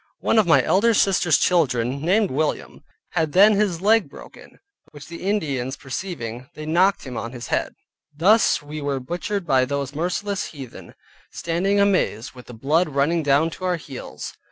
One of my elder sisters' children, named William, had then his leg broken, which the Indians perceiving, they knocked him on [his] head. Thus were we butchered by those merciless heathen, standing amazed, with the blood running down to our heels.